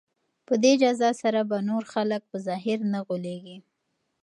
په دې جزا سره به نور خلک په ظاهر نه غولیږي.